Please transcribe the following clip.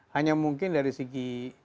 hanya mungkin dari segi